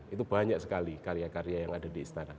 itu banyak sekali karya karya yang ada di istana